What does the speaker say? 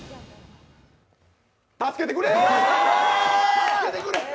助けてくれ！